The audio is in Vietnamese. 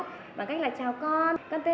sữa ra ngồi các bạn nào